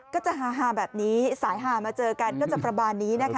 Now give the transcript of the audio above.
ก็จะฮาแบบนี้สายหามาเจอกันก็จะประมาณนี้นะคะ